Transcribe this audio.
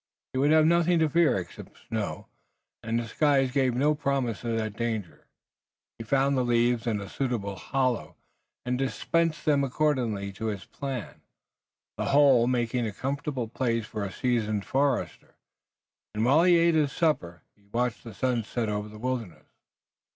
He would have nothing to fear except snow, and the skies gave no promise of that danger. He found the leaves in a suitable hollow, and disposed them according to his plan, the whole making a comfortable place for a seasoned forester, and, while he ate his supper, he watched the sun set over the wilderness.